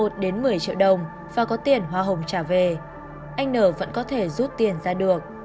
anh n có tiền từ một đến một mươi triệu đồng và có tiền hoa hồng trả về anh n vẫn có thể rút tiền ra được